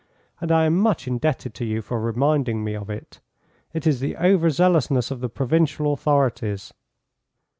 "And I am much indebted to you for reminding me of it. It is the over zealousness of the provincial authorities."